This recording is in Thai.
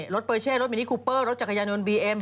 เปอร์เช่รถมินิคูเปอร์รถจักรยานยนต์บีเอ็ม